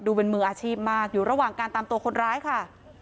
เป็นมืออาชีพมากอยู่ระหว่างการตามตัวคนร้ายค่ะ